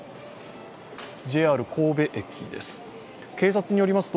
ＪＲ神戸駅です。